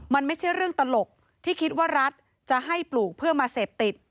มันไม่ใช่เรื่องตลกที่คิดว่ารัฐจะให้ปลูกเพื่อมาเสพติด